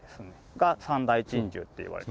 が三大珍獣って言われて。